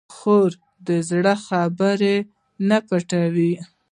خور د زړه خبرې نه پټوي.